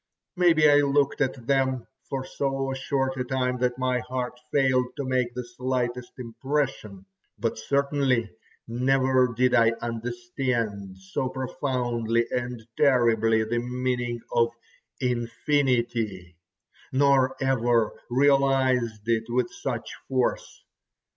Maybe I looked at them for so short a time that my heart failed to make the slightest impression, but certainly never did I understand so profoundly and terribly the meaning of Infinity, nor ever realised it with such force.